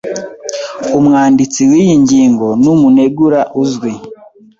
Umwanditsi wiyi ngingo numunegura uzwi.